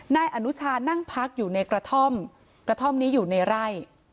นายอนุชานั่งพักอยู่ในกระท่อมกระท่อมนี้อยู่ในไร่